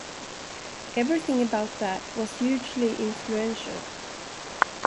Everything about that was hugely influential.